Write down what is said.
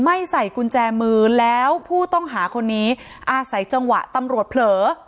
ใส่กุญแจมือแล้วผู้ต้องหาคนนี้อาศัยจังหวะตำรวจเผลอ